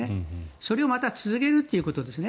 それをまた続けるということですね